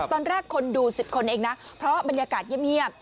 ตอนแรกคนดู๑๐คนเองนะเพราะบรรยากาศเงียบ